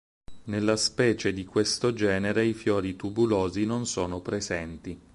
Nelle specie di questo genere i fiori tubulosi non sono presenti.